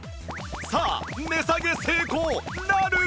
さあ値下げ成功なるか？